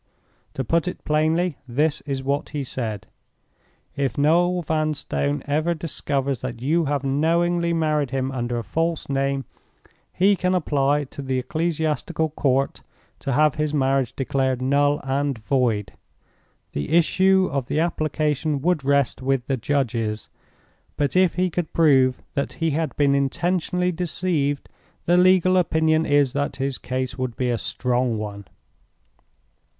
"To put it plainly, this is what he said. If Mr. Noel Vanstone ever discovers that you have knowingly married him under a false name, he can apply to the Ecclesiastical Court to have his marriage declared null and void. The issue of the application would rest with the judges. But if he could prove that he had been intentionally deceived, the legal opinion is that his case would be a strong one."